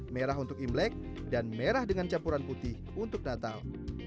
merah untuk imlek dan merah dengan campuran putih untuk natal